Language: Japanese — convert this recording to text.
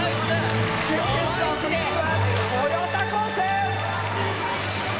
準決勝進出は豊田高専！